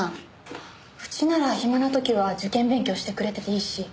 うちなら暇な時は受験勉強してくれてていいし。